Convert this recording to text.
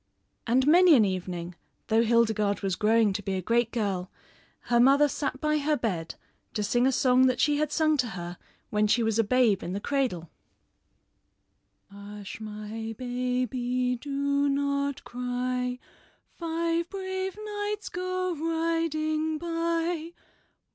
And many an evening, though Hildegarde was growing to be a great girl, her mother sat by her bed to sing a song that she had sung to her when she was a babe in the cradle: "Hush, my baby, do not cry, Five brave knights go riding by.